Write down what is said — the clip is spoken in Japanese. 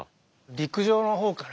陸上の方から。